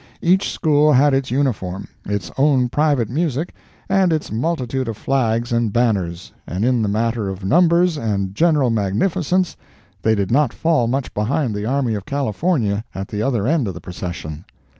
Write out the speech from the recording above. Each school had its uniform, its own private music, and its multitude of flags and banners, and in the matter of numbers and general magnificence they did not fall much behind the Army of California at the other end of the Procession.